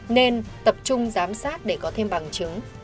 nên tập trung giám sát để có thêm bằng chứng